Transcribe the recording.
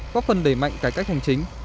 có phần đẩy mạnh cải cách hành chính